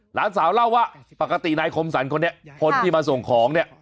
หลานสาวเล่าว่าปกตินายคมสรรคนนี้คนที่มาส่งของเนี่ย